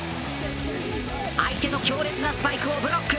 相手の強烈なスパイクをブロック。